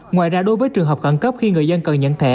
ngoài ra đối với trường hợp khẩn cấp khi người dân cần nhận thẻ